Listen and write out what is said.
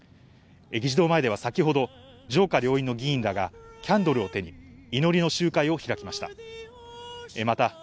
議事堂前では先ほど上下両院の議員らがキャンドルを手に、祈りの集会を開きました。